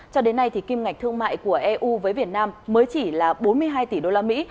cho đến nay thì kim ngạch thương mại của eu với việt nam mới chỉ là bốn mươi hai tỷ usd